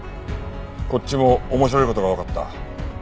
こっちも面白い事がわかった。